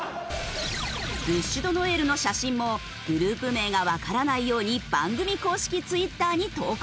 ブッシュ・ド・ノエルの写真もグループ名がわからないように番組公式ツイッターに投稿。